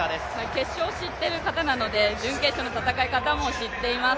決勝知ってる方なので準決勝の戦い方も知っています。